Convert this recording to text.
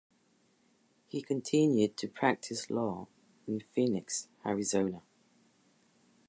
He continued to practice law in Phoenix, Arizona.